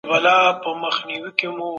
حکومت بايد مساوات قائم کړي.